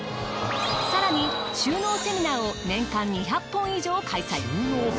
更に収納セミナーを年間２００本以上開催。